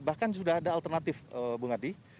bahkan sudah ada alternatif bung adi